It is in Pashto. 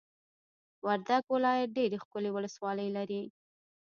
وردګ ولایت ډېرې ښکلې ولسوالۍ لري!